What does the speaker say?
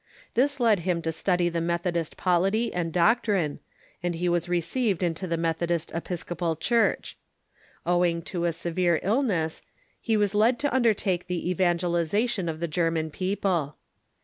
This led him to study the Methodist polity and doctrine, and lie Avas received into the Metliodist Episcopal Church. Owing to a severe illness, he Avas led to undertake the evangelization 574 THE CHUKCH IN THE UNITED STATES of the German people.